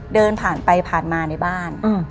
เดินผ่านไปผ่านมาในบ้าน